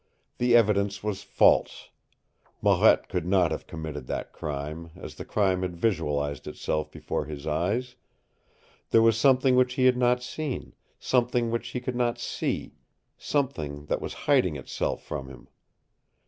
The evidence was false. Marette could not have committed that crime, as the crime had visualized itself before his eyes. There was something which he had not seen, something which he could not see, something that was hiding itself from him.